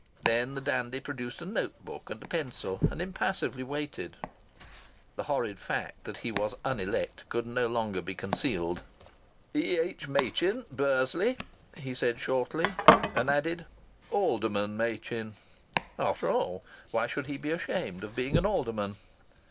Then the dandy produced a note book and a pencil and impassively waited. The horrid fact that he was unelect could no longer be concealed. "E.H. Machin, Bursley," he said shortly; and added: "Alderman Machin." After all, why should he be ashamed of being an Alderman?